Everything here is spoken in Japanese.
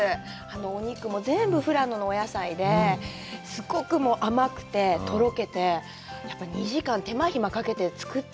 お肉も全部、富良野のお野菜で、すごく甘くて、とろけて、２時間、手間暇かけて作った。